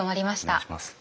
お願いします。